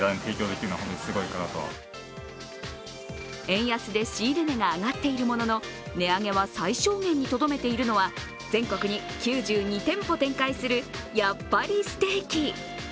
円安で仕入れ値が上がっているものの、値上げは最小限にとどめているのは全国に９２店舗展開するやっぱりステーキ。